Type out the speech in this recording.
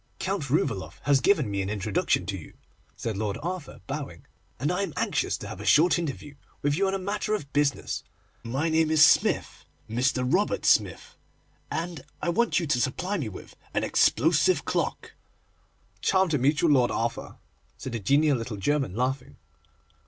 'Count Rouvaloff has given me an introduction to you,' said Lord Arthur, bowing, 'and I am anxious to have a short interview with you on a matter of business. My name is Smith, Mr. Robert Smith, and I want you to supply me with an explosive clock.' 'Charmed to meet you, Lord Arthur,' said the genial little German, laughing.